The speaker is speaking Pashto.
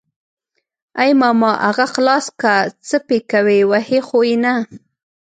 ای ماما اغه خلاص که څه پې کوي وهي خو يې نه.